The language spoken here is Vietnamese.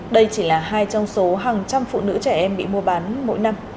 đây chỉ là hai trong số hàng trăm phụ nữ trẻ em bị mua bán mỗi năm